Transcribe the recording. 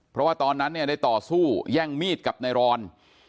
เพราะว่าตอนนั้นเนี่ยได้ต่อสู้แย่งมีดกับนายรอน